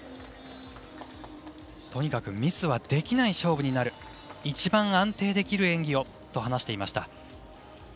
とにかくミスはできない勝負になる一番安定できる演技をと話していました。